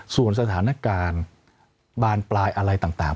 ส่วนสถานการณ์บานปลายอะไรต่าง